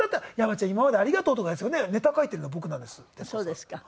そうですか。